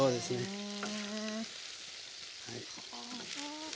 へえ！